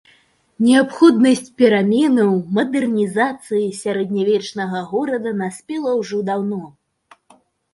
Неабходнасць пераменаў, мадэрнізацыі сярэднявечнага горада, наспела ўжо даўно.